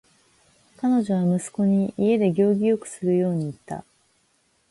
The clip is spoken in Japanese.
彼女は息子に家で行儀よくするように言った。